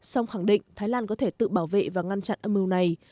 song khẳng định thái lan có thể tự bảo vệ và ngăn chặn âm mưu này